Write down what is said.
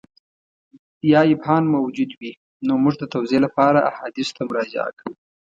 یا ابهام موجود وي نو موږ د توضیح لپاره احادیثو ته مراجعه کوو.